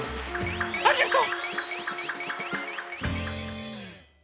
ありがとう。